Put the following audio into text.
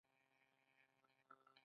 وروسته د تصویب لپاره وزیرانو شورا ته ځي.